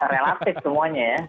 relatif semuanya ya